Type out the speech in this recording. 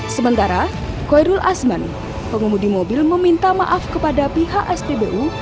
sementara khoirul asman pengemudi mobil meminta maaf kepada pihak spbu